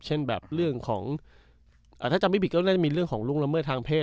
เช่นถ้าจำไม่ผิดก็แน่นายจะมีเรื่องร่วงละเมื่อทางเพศ